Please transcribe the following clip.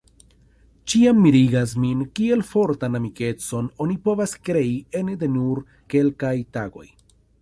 Ĉiam mirigas min kiel fortan amikecon oni povas krei ene de nur kelkaj tagoj.